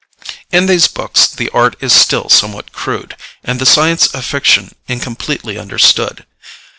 In these books the art is still somewhat crude, and the science of fiction incompletely understood.